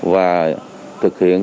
và thực hiện